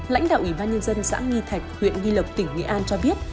lãnh đạo ủy ban nhân dân xã nghi thạch huyện nghi lộc tỉnh nghệ an cho biết